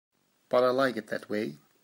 But I like it that way.